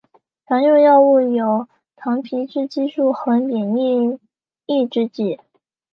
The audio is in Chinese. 常用的药物有糖皮质激素和免疫抑制剂。